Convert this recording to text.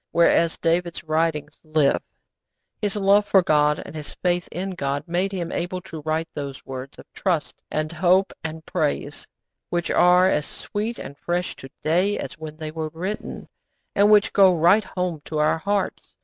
Whereas David's writings live. His love for God, and his faith in God, made him able to write those words of trust and hope and praise which are as sweet and fresh to day as when they were written, and which go right home to our hearts.